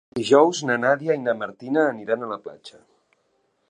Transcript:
Dijous na Nàdia i na Martina aniran a la platja.